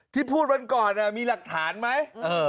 ที่พูดวันก่อนมีหลักฐานไหม